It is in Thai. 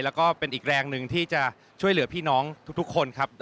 แล้วก็เป็นอีกแรงหนึ่งที่จะช่วยเหลือพี่น้องทุกคนครับ